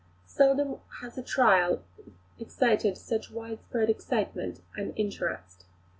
Seldom has a trial excited such widespread excitement and interest.